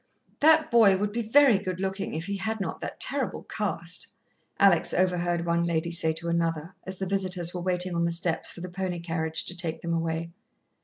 "That boy would be very good looking if he had not that terrible cast," Alex overheard one lady say to another, as the visitors were waiting on the steps for the pony carriage to take them away.